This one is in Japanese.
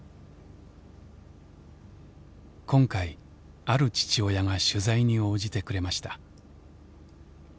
今回ある父親が取材に応じてくれました。